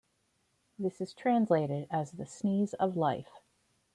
This is translated as the 'Sneeze of Life'.